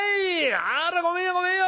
あらごめんよごめんよ！